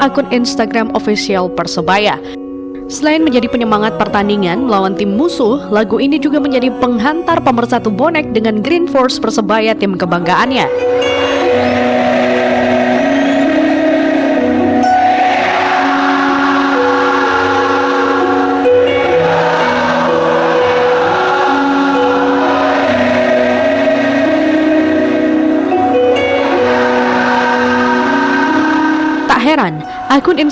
kita dipertemukan kembali